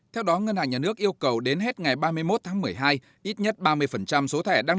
theo đó ngân hàng nhà nước yêu cầu đến hết ngày ba mươi một tháng một mươi hai ít nhất ba mươi số thẻ đang